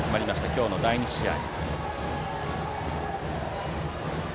今日の第２試合。